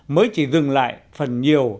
mới chỉ dừng lại phần nhiều